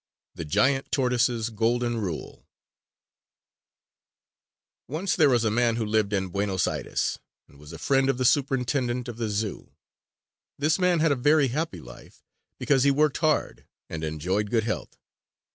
THE GIANT TORTOISE'S GOLDEN RULE Once there was a man who lived in Buenos Aires and was a friend of the superintendent of the Zoo. This man had a very happy life, because he worked hard and enjoyed good health.